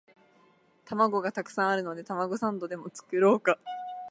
玉子がたくさんあるのでたまごサンドでも作ろうか